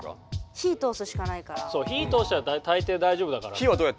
火通したら大抵大丈夫だから。